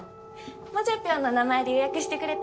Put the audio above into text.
モジャピョンの名前で予約してくれた？